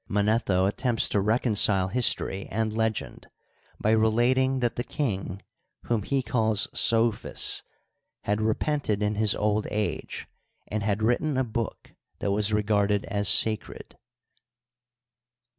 Manetho attempts to recon cile history and legend by relating that the king, whom he calls Souphzs, had repented in his old age, and had written a book that was regarded as sacred.